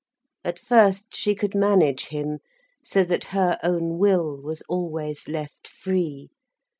At first she could manage him, so that her own will was always left free.